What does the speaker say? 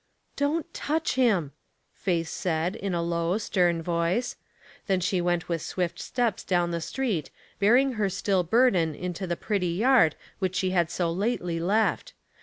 " Don't touch him," Faith said, in a low, stern voice. Then she went with swift steps down the street, bearing her still burden into the pretty yard which she had so lately left.